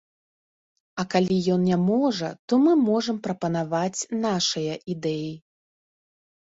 А калі ён не можа, то мы можам прапанаваць нашыя ідэі.